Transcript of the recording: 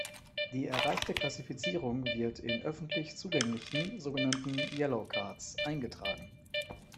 Die erreichte Klassifizierung wird in öffentlich zugänglichen so genannten "Yellow Cards" eingetragen.